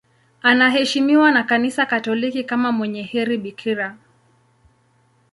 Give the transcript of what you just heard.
Anaheshimiwa na Kanisa Katoliki kama mwenye heri bikira.